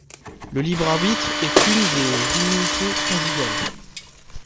Le libre arbitre est une des immunités conjugales.